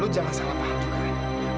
lu jangan salah paham juga ya